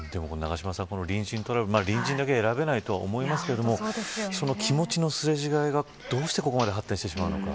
この隣人だけは選べないと思いますがその気持ちのすれ違いがどうしてここまで発展してしまうのか。